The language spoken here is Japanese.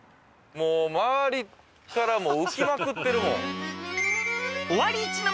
周りから浮きまくってるもん。